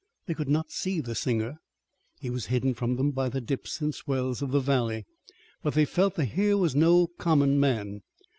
They could not see the singer. He was hidden from them by the dips and swells of the valley, but they felt that here was no common man.